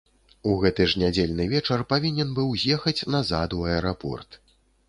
У гэты ж нядзельны вечар павінен быў з'ехаць назад у аэрапорт.